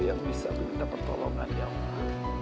yang bisa meminta pertolongan ya allah